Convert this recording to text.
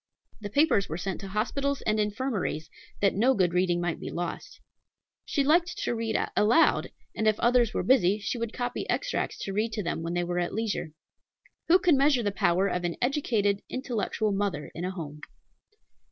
The papers were sent to hospitals and infirmaries, that no good reading might be lost. She liked to read aloud; and if others were busy, she would copy extracts to read to them when they were at leisure. Who can measure the power of an educated, intellectual mother in a home?